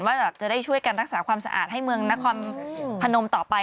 ว่าจะได้ช่วยกันรักษาความสะอาดให้เมืองนครพนมต่อไป